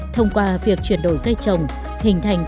thông qua việc chuyển đổi cây trồng